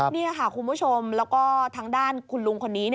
นี่ค่ะคุณผู้ชมแล้วก็ทางด้านคุณลุงคนนี้